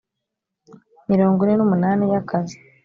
mirongo ine n umunani y akazi